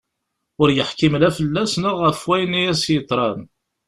Ur yeḥkim la fell-as neɣ ɣef wayen i as-yeḍran.